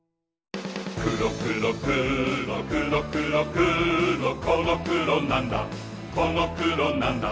くろくろくろくろくろくろこのくろなんだこのくろなんだ